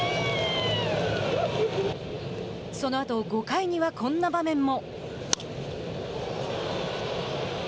そのあと、５回にはこんな場面も。